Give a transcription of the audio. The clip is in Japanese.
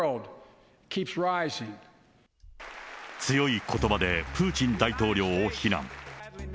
強いことばでプーチン大統領を非難。